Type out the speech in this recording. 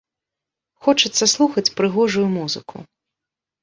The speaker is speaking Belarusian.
Хочацца слухаць прыгожую музыку.